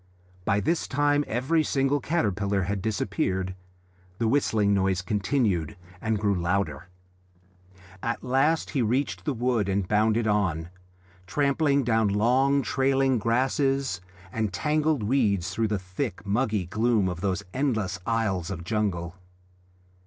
By this time every single caterpillar had disappeared. The whistling noise continued and grew louder. At last he reached the wood and bounded on, trampling down long trailing grasses and tangled weeds through the thick, muggy gloom of those endless aisles of jungle.